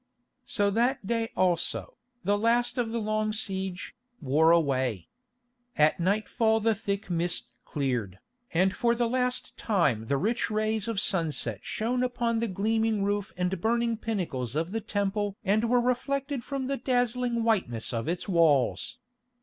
So that day also, the last of the long siege, wore away. At nightfall the thick mist cleared, and for the last time the rich rays of sunset shone upon the gleaming roof and burning pinnacles of the Temple and were reflected from the dazzling whiteness of its walls.